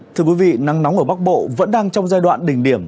thưa quý vị nắng nóng ở bắc bộ vẫn đang trong giai đoạn đỉnh điểm